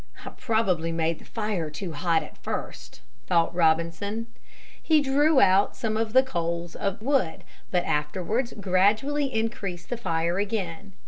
"I probably made the fire too hot at first," thought Robinson. He drew out some of the coals and wood, but afterwards gradually increased the fire again.